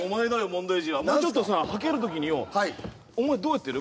問題児はもうちょっとさはける時によお前どうやってる？